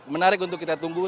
menarik untuk kita tunggu